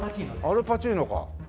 アル・パチーノか。